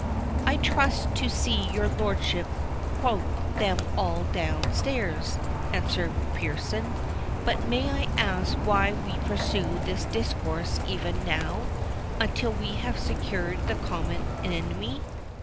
"I trust to see your lordship quoit them all down stairs," answered Pearson. "But may I ask why we pursue this discourse even now, until we have secured the common enemy?"